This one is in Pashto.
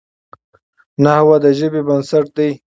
نحوه د ژبي بنسټ دئ.